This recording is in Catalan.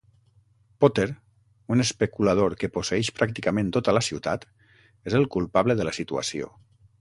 Potter, un especulador que posseeix pràcticament tota la ciutat, és el culpable de la situació.